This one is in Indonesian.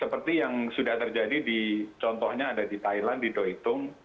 seperti yang sudah terjadi di contohnya ada di thailand di dohitung